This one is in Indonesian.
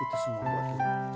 itu semua gue